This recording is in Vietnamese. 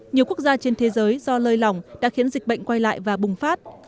nhiều quốc gia trên thế giới do lơi lỏng đã khiến dịch bệnh quay lại và bùng phát